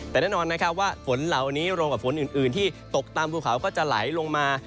แต่แน่นอนนะครับว่าฝนเหล่านี้รวมกับฝนอื่นที่ตกตามภูเขาก็จะไหลลงมา